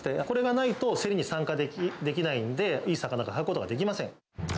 これがないと、競りに参加できないんで、いい魚が買うことができません。